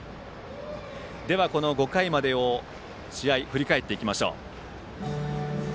ではこの５回までを試合振り返っていきましょう。